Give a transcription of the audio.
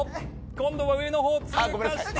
今度は上の方を通過して。